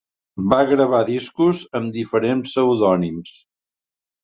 Va gravar discos amb diferents pseudònims.